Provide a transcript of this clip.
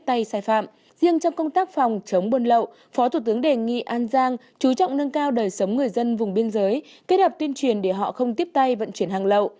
trong công tác phòng chống buôn lậu phó thủ tướng đề nghị an giang chú trọng nâng cao đời sống người dân vùng biên giới kết hợp tuyên truyền để họ không tiếp tay vận chuyển hàng lậu